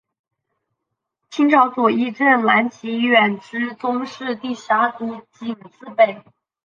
清朝左翼正蓝旗远支宗室第十二族绵字辈。